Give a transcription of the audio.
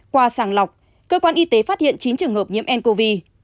qua sàng lọc cơ quan y tế phát hiện chín trường hợp nhiễm ncov